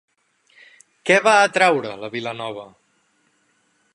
Què va atraure la vila nova?